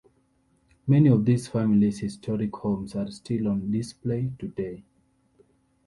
Many of these families historic homes are still on display today.